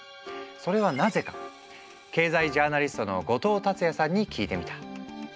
それはなぜか経済ジャーナリストの後藤達也さんに聞いてみた。